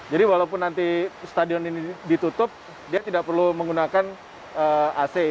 jadi walaupun nanti stadion ini ditutup dia tidak perlu menggunakan ac